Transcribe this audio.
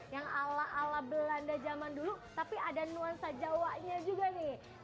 yang ala ala belanda zaman dulu tapi ada nuansa jawanya juga nih